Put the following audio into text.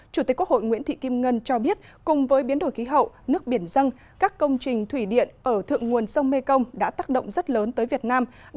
chủ tịch quốc hội nguyễn thị kim ngân cho biết cùng với biến đổi khí hậu nước biển dân các công trình thủy điện ở thượng nguồn sông mê công đã tác động rất lớn tới việt nam